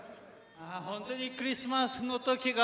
本当にクリスマスの時が。